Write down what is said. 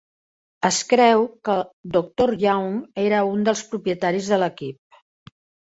Es creu que Doctor Young era un dels propietaris de l'equip.